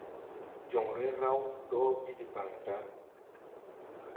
Joŋre raw dɔɔ bi debaŋ da.